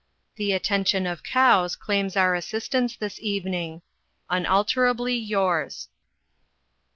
The attention of cows claims our assistance this evening. "Unalterably yours."